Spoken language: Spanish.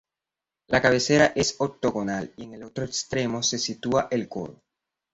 La cabecera es octogonal y en el otro extremo se sitúa el coro.